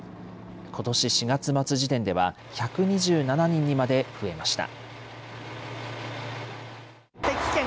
ことし４月末時点では、１２７人にまで増えました。